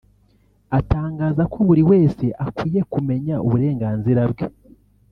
Atangaza ko buri wese akwiye kumeya uburenganzira bwe